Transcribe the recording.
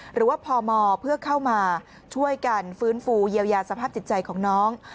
หรือว่าพมเพื่อเข้ามาช่วยกันฟื้นฟูเยียวยาสภาพจิตใจของน้อง